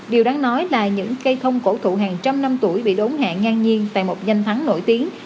điều đáng nói là những cây thông cổ thụ hàng trăm năm tuổi bị đốn hạ ngang nhiên tại một danh thắng nổi tiếng